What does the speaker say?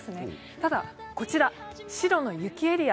ただ、こちら、白の雪エリア